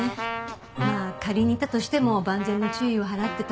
まあ仮にいたとしても万全の注意を払ってた。